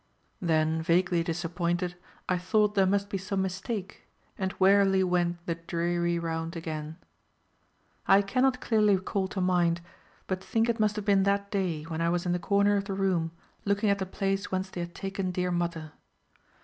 Then vaguely disappointed, I thought there must be some mistake, and wearily went the dreary round again. I cannot clearly call to mind, but think it must have been that day, when I was in the corner of the room, looking at the place whence they had taken dear mother.